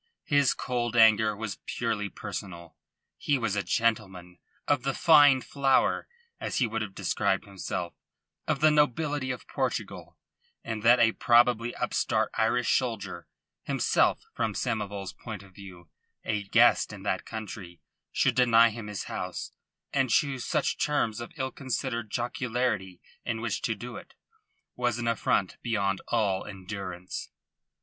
His cold anger was purely personal. He was a gentleman of the fine flower, as he would have described himself of the nobility of Portugal; and that a probably upstart Irish soldier himself, from Samoval's point of view, a guest in that country should deny him his house, and choose such terms of ill considered jocularity in which to do it, was an affront beyond all endurance.